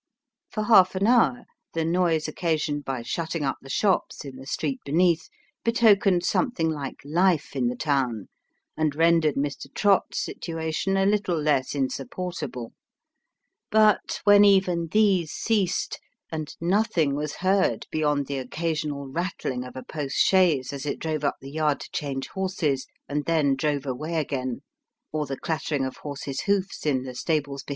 For half an hour, the noise occasioned by shutting up the shops in the street beneath, betokened something like life in the town, and rendered Mr. Trott's situation a little less insupportable ; but, when even these ceased, and nothing was heard beyond the occasional rattling of a post chaise as it drove up the yard to change horses, and then drove away again, or the clattering of horses' hoofs in the stables 316 Sketches by Boz.